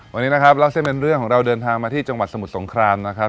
วันนี้นะครับเล่าเส้นเป็นเรื่องของเราเดินทางมาที่จังหวัดสมุทรสงครามนะครับ